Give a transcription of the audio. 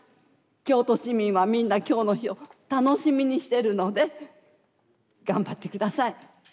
京都市民はみんな今日の日を楽しみにしてるので頑張って下さい。